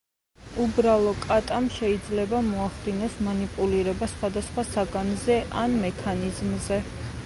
უბრალო კატამ შეიძლება მოახდინოს მანიპულირება სხვადასხვა საგანზე ან მექანიზმზე.